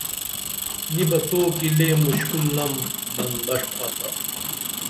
نی بہ تو کی لے مُشکُل نم بن بݜ تھاتا